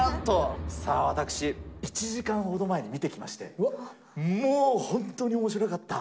さあ、私、１時間ほど前に見てきまして、もう、本当におもしろかった。